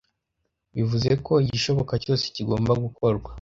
Bivuze ko igishoboka cyose kigomba gukorwa